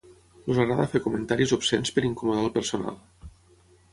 Els agrada fer comentaris obscens per incomodar el personal.